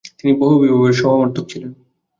তিনি বহুবিবাহের সমর্থক ছিলেন।